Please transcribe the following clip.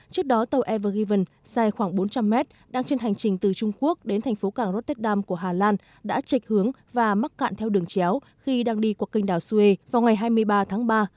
trước đó tàu ever given dài khoảng bốn trăm linh mét đang trên hành trình từ trung quốc đến thành phố cảng rotterdam của hà lan đã trệch hướng và mắc cạn theo đường chéo khi đang đi qua canh đảo suez vào ngày hai mươi ba tháng ba